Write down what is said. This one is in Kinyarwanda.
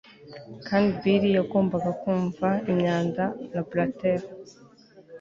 kandi bill yagombaga kumva imyanda na blather